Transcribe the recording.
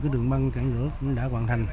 đường băng cản lửa đã hoàn thành